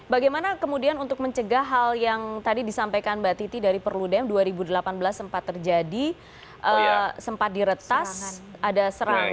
bagaimana kemudian untuk mencegah hal yang tadi disampaikan mbak titi dari perludem dua ribu delapan belas sempat terjadi sempat diretas ada serangan